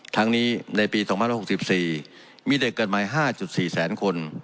ทั้งนี้ในปี๒๐๖๔มีเด็กกฎหมาย๕๔แสนคน